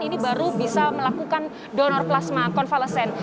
ini baru bisa melakukan donor plasma konvalesen